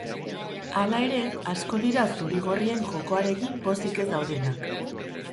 Hala ere, asko dira zuri-gorrien jokoarekin pozik ez daudenak.